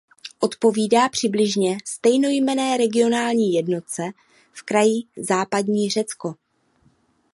Odpovídá přibližně stejnojmenné regionální jednotce v kraji Západní Řecko.